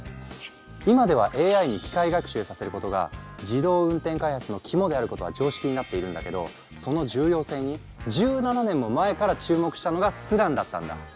今ではＡＩに機械学習させることが自動運転開発の肝であることは常識になっているんだけどその重要性に１７年も前から注目したのがスランだったんだ。